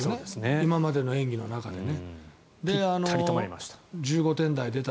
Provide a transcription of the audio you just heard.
今までの演技の中でね。